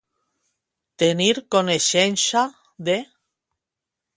Tenir coneixença de.